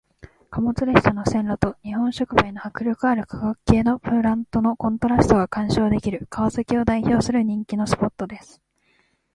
貨物列車の線路と日本触媒の迫力ある化学系のプラントのコントラストが鑑賞できる川崎を代表する人気のスポットです。